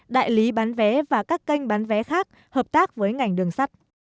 đại lý bán vé và các kênh bán vé khác hợp tác với ngành đường sắt